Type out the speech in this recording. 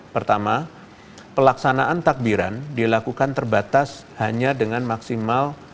pertama pelaksanaan takbiran dilakukan dengan kebenaran